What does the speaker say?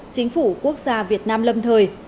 chính phủ quốc gia việt nam lâm thời